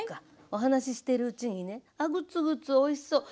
お話ししているうちにねあっグツグツおいしそう。